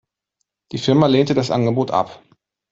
Die Firma lehnte das Angebot ab.